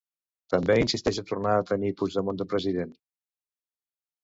També insisteix a tornar a tenir Puigdemont de president.